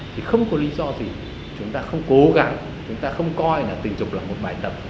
thì không có lý do gì chúng ta không cố gắng chúng ta không coi tình dục là một bài tập